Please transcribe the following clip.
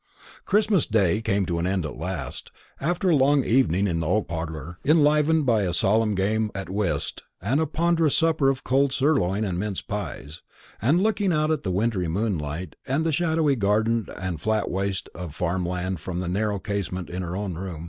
That Christmas day came to an end at last, after a long evening in the oak parlour enlivened by a solemn game at whist and a ponderous supper of cold sirloin and mince pies; and looking out at the wintry moonlight, and the shadowy garden and flat waste of farm land from the narrow casement in her own room.